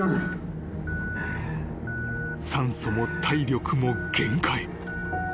［酸素も体力も限界］